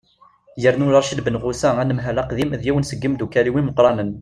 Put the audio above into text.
yernu racid benɣusa anemhal aqdim d yiwen seg yimeddukkal-iw imeqqranen